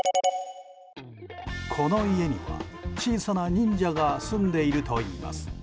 この家には小さな忍者が住んでいるといいます。